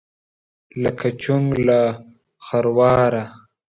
لکه: چونګ له خرواره.